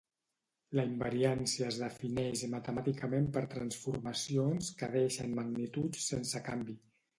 La invariància es defineix matemàticament per transformacions que deixen magnituds sense canvi.